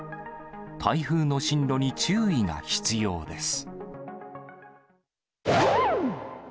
台風の進路に注意が必要です。